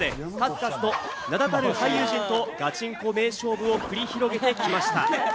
これまで数々の名だたる俳優陣とガチンコ名勝負を繰り広げてきました。